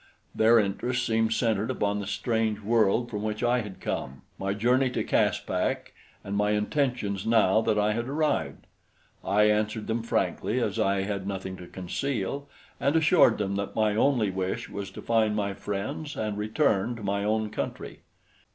Their interest seemed centered upon the strange world from which I had come, my journey to Caspak and my intentions now that I had arrived. I answered them frankly as I had nothing to conceal and assured them that my only wish was to find my friends and return to my own country.